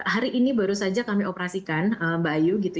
hari ini baru saja kami operasikan mbak ayu gitu